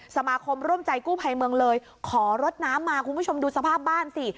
สมาคมร่วมใจกู้ภัยเมืองเลยขอรถน้ำมาคุณผู้ชมดูสภาพบ้านสิ